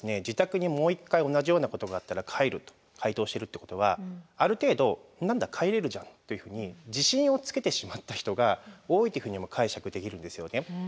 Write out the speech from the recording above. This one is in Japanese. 自宅にもう一回同じようなことがあったら帰ると回答してるってことはある程度「何だ帰れるじゃん」というふうに自信をつけてしまった人が多いというふうにも解釈できるんですよね。